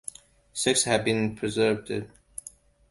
Six have been preserved.